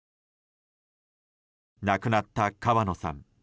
亡くなった川野さん。